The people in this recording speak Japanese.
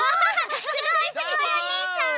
すごいすごいおねえさん！